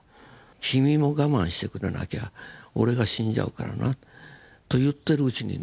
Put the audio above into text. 「君も我慢してくれなきゃ俺が死んじゃうからな」と言ってるうちにね